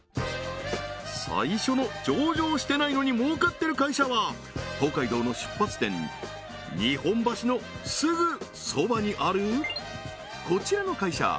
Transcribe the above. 最初の上場してないのに儲かってる会社は東海道の出発点日本橋のすぐそばにあるこちらの会社